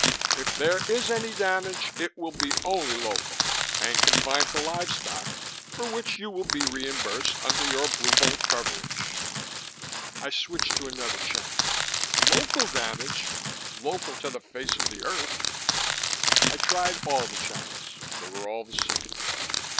If there is any damage, it will be only local and confined to livestock for which you will be reimbursed under your Blue Bolt coverage." I switched to another channel. Local damage! Local to the face of the Earth! I tried all the channels; they were all the same.